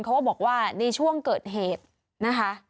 เขาก็บอกว่าในช่วงเกิดเหตุนะคะ